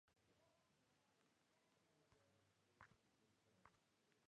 Tras obtener el título, se instaló en Sevilla.